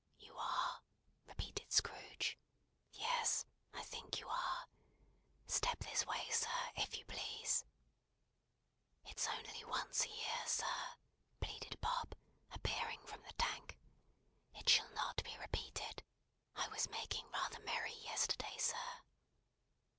"You are?" repeated Scrooge. "Yes. I think you are. Step this way, sir, if you please." "It's only once a year, sir," pleaded Bob, appearing from the Tank. "It shall not be repeated. I was making rather merry yesterday, sir."